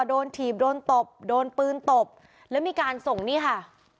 ถีบโดนตบโดนปืนตบแล้วมีการส่งนี่ค่ะ